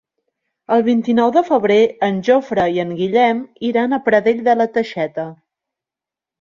El vint-i-nou de febrer en Jofre i en Guillem iran a Pradell de la Teixeta.